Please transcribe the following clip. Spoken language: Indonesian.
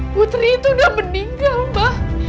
putri itu udah meninggal mbak